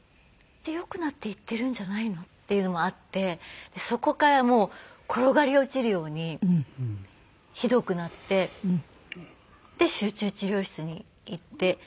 よくなっていってるんじゃないのっていうのもあってそこからもう転がり落ちるようにひどくなってで集中治療室に行って。